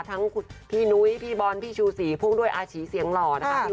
ทั้งพี่นุ้ยพี่บอลพี่ชูศรีพ่วงด้วยอาชีเสียงหล่อนะคะ